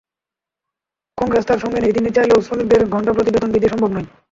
কংগ্রেস তাঁর সঙ্গে নেই, তিনি চাইলেও শ্রমিকদের ঘণ্টাপ্রতি বেতন বৃদ্ধি সম্ভব নয়।